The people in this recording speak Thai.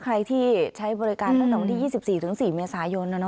ใครที่ใช้บริการตั้งแต่วันที่๒๔๔เมษายน